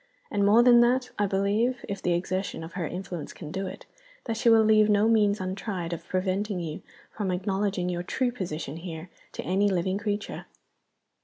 And more than that, I believe (if the exertion of her influence can do it) that she will leave no means untried of preventing you from acknowledging your true position here to any living creature.